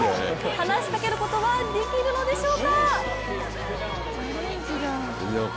話しかけることはできるのでしょうか？